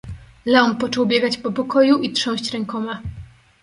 "Leon począł biegać po pokoju i trząść rękoma."